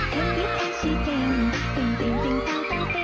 สุดดูลีลาค